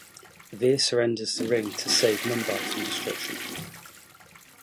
Veer surrenders the ring to save Mumbai from destruction.